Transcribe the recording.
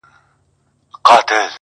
چي كرلې يې لمبې پر ګرګينانو،